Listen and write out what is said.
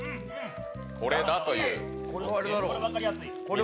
これだという。